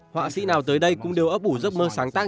họa sĩ nào tới đây cũng đều ấp ủ giấc mơ sáng tác